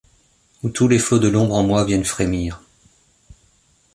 Où tous les flots de l'ombre en moi viennent frémir